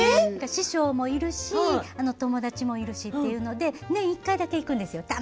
師匠もいるし友達もいるしというので年１回だけ行くんですよ。